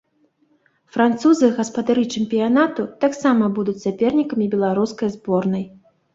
Французы, гаспадары чэмпіянату, таксама будуць сапернікамі беларускай зборнай.